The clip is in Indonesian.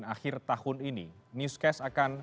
akhir tahun ini newscast akan